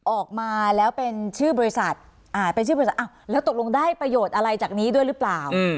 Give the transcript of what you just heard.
ออกมาแล้วเป็นชื่อบริษัทเป็นชื่อบริษัทอ้าวแล้วตกลงได้ประโยชน์อะไรจากนี้ด้วยหรือเปล่า